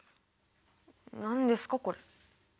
何ですかこれ？